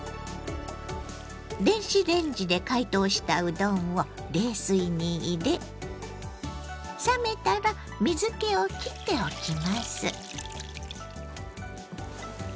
電子レンジで解凍したうどんを冷水に入れ冷めたら水けをきっておきます。